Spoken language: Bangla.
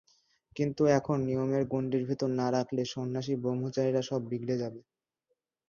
কিন্তু এখন নিয়মের গণ্ডীর ভেতর না রাখলে সন্ন্যাসী-ব্রহ্মচারীরা সব বিগড়ে যাবে।